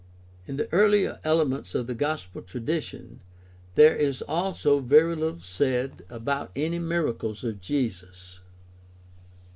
In the earher elements of gospel tradition there is also very little said about any miracles of Jesus.